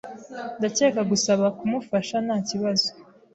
Ndakeka gusaba kumufasha ntakibazo.